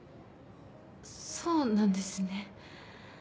そうなんですね。